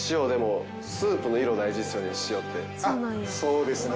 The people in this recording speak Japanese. あっそうですね。